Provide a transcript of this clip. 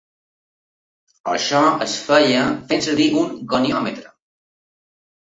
Això es feia fent servir un goniòmetre.